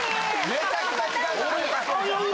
めちゃくちゃ時間かかるな。